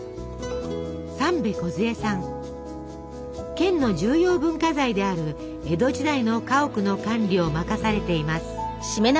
県の重要文化財である江戸時代の家屋の管理を任されています。